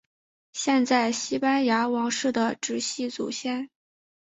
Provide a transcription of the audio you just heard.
现在西班牙王室的直系祖先。